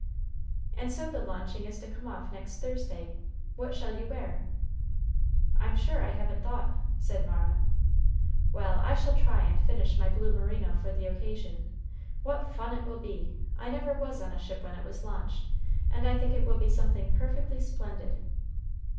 "And so the launching is to come off next Thursday. What shall you wear?" "I'm sure I haven't thought," said Mara. "Well, I shall try and finish my blue merino for the occasion. What fun it will be! I never was on a ship when it was launched, and I think it will be something perfectly splendid!"